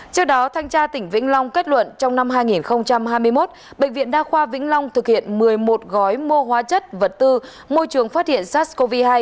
trước đó thanh tra tỉnh vĩnh long kết luận trong năm hai nghìn hai mươi một bệnh viện đa khoa vĩnh long thực hiện một mươi một gói mua hóa chất vật tư môi trường phát hiện sars cov hai